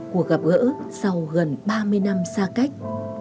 cuộc gặp gỡ sau gần ba mươi năm xa cách